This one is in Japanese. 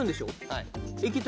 はい。